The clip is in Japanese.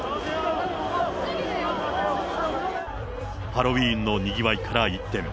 ハロウィーンのにぎわいから一転。